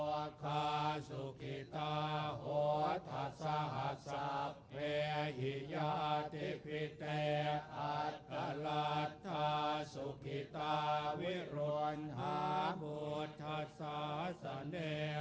อะโรคาสุขิตาโฮทัศน์สัพเพฮิยาติพิเตะอัตตลัทธาสุขิตาวิรุณฮะโมทัศน์สัพเสน่ห์